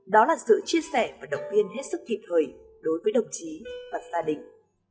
đó là sự chia sẻ và động viên hết sức kịp thời đối với đồng chí và gia đình